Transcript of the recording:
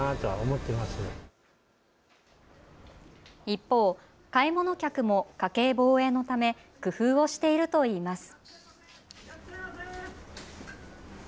一方、買い物客も家計防衛のため工夫をしているといいます。